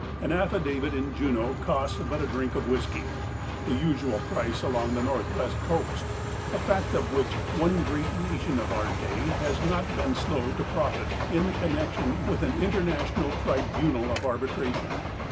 An affidavit in Juneau costs but a drink of whisky, the usual price along the Northwest coast, a fact of which one great nation of our day has not been slow to profit in connection with an International Tribunal of Arbitration.